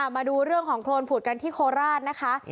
มาดูเองของโคลนผุดกันที่โคลาดปุ่นนะคะ